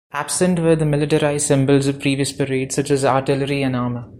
Absent were the militarized symbols of previous parades, such as artillery and armor.